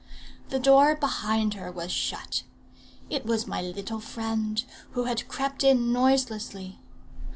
The door behind her was shut. It was my little friend, who had crept in noiselessly.